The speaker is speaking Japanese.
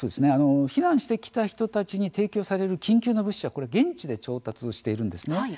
避難してきた人たちに提供される緊急の物資は現地で調達しているんですね。